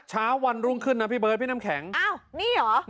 เช้าวันรุ่งขึ้นนะพี่เบิร์ดพี่น้ำแข็งอ้าวนี่เหรอ